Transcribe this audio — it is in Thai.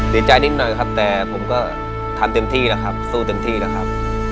ดีใจนิดหน่อยครับแต่ผมก็ทำเต็มที่แล้วครับสู้เต็มที่แล้วครับ